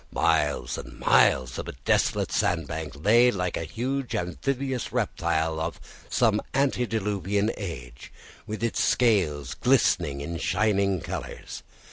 Miles and miles of a desolate sandbank lay like a huge amphibious reptile of some antediluvian age, with its scales glistening in shining colours.